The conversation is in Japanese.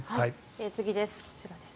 次です。